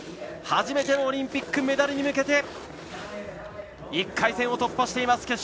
初めてのオリンピックメダルに向けて１回戦を突破しています。